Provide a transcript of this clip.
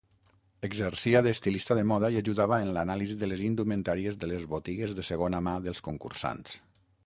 Exercia d'estilista de moda i ajudava en l'anàlisi de les indumentàries de les botigues de segona mà dels concursants.